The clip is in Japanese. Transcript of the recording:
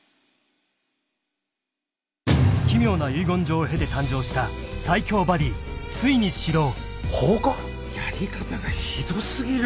［奇妙な遺言状を経て誕生した最強バディついに始動］